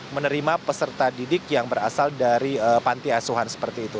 menerima peserta didik yang berasal dari pantiasuhan seperti itu